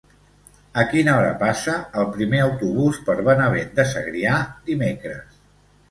A quina hora passa el primer autobús per Benavent de Segrià dimecres?